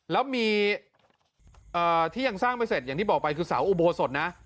แล้วมีที่ยังสร้างไม่เสร็จอย่างที่บอกไปคือเสาอุโบสถนะ